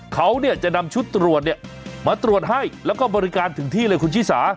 เขาจะนำชุดตรวจมาตรวจให้แล้วก็บริการถึงที่เลยคุณชิสา